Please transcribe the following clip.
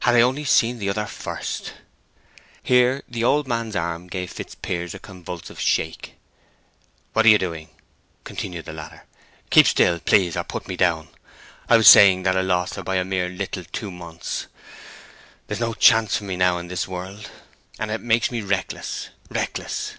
Had I only seen the other first—" Here the old man's arm gave Fitzpiers a convulsive shake. "What are you doing?" continued the latter. "Keep still, please, or put me down. I was saying that I lost her by a mere little two months! There is no chance for me now in this world, and it makes me reckless—reckless!